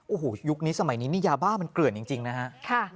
โอ้โหยุคนี้สมัยนี้นี่ยาบ้ามันเกลื่อนจริงนะฮะ